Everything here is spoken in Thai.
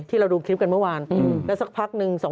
เราดูคลิปกันเมื่อวานแล้วสักพักนึง